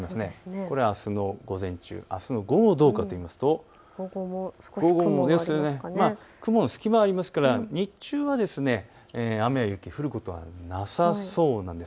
これはあすの午前中、あすの午後はどうかというと雲の隙間はありますから日中は雨や雪、降ることはなさそうです。